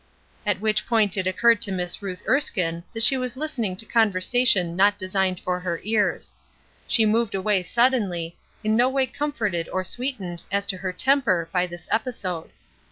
At which point it occurred to Miss Ruth Erskine that she was listening to conversation not designed for her ears. She moved away suddenly, in no way comforted or sweetened as to her temper by this episode.